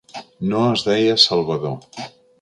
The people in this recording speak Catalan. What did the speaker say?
No es deia Salvador.